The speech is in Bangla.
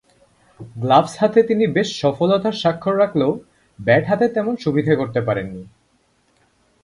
গ্লাভস হাতে তিনি বেশ সফলতার স্বাক্ষর রাখলেও ব্যাট হাতে তেমন সুবিধে করতে পারেননি।